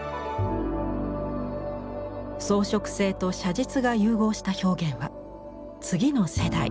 装飾性と写実が融合した表現は次の世代